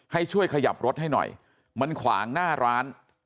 ให้ช่วยขยับรถให้หน่อยมันขวางหน้าร้าน